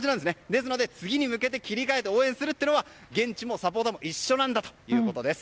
ですので次に向けて切り替えて応援するというのは現地のサポーターも一緒だということです。